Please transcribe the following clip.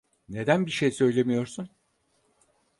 Neden bir şey söylemiyorsun?